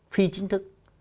phi chính thức